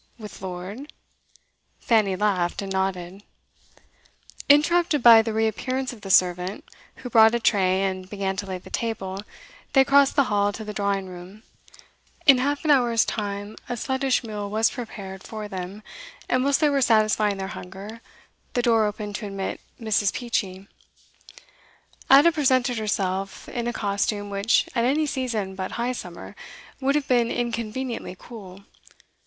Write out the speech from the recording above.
'With Lord?' Fanny laughed and nodded. Interrupted by the reappearance of the servant, who brought a tray and began to lay the table, they crossed the hall to the drawing room. In half an hour's time a sluttish meal was prepared for them, and whilst they were satisfying their hunger, the door opened to admit Mrs. Peachey. Ada presented herself in a costume which, at any season but high summer, would have been inconveniently cool.